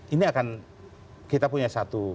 ini akan kita punya satu